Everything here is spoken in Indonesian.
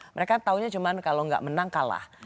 mereka taunya cuma kalau nggak menang kalah